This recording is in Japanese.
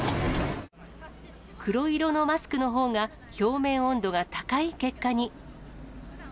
黒色のマスクのほうが、表面温度が高い結果に。